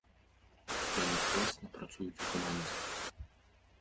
Яны класна працуюць у камандзе.